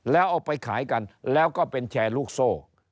แล้วเอาไปขายกันแล้วก็เป็นแชร์ลูกโซ่